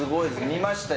見ました？